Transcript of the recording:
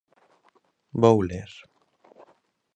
Vou ler.